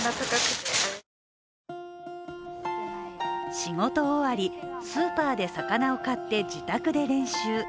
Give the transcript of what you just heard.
仕事終わり、スーパーで魚を買って自宅で練習。